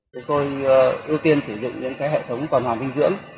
chúng tôi ưu tiên sử dụng những hệ thống tuần hoàn dinh dưỡng